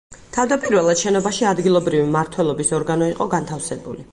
თავდაპირველად შენობაში ადგილობირივი მმართველობის ორგანო იყო განთავსებული.